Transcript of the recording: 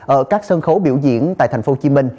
ở các sân khấu biểu diễn tại tp hcm